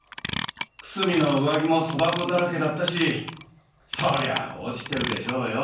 楠見の上着もそば粉だらけだったしそりゃあ落ちてるでしょうよ。